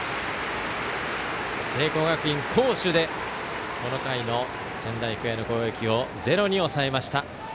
聖光学院、好守でこの回の仙台育英の攻撃をゼロに抑えました。